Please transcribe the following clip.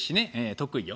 得意よ。